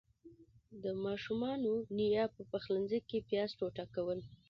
د ماشومانو نيا په پخلنځي کې پياز ټوټه کول.